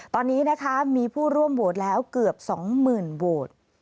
ตอนนี้นะคะมีผู้ร่วมโหวตแล้วเกือบ๒๐๐๐โหวต